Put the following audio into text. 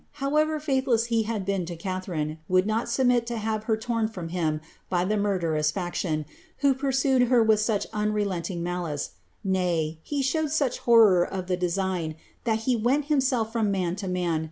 hoir ever faithless he liaJ been to Caifiarine, would not submit to hiTe her lorn from him by the munleruus faction who pursued her with such un relenting malice ;— nay, he showed such horror of the desigiu that he went himself from man to man.